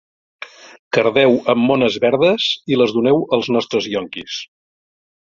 Cardeu amb mones verdes i les doneu als nostres ionquis.